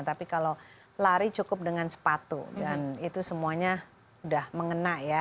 tapi kalau lari cukup dengan sepatu dan itu semuanya sudah mengena ya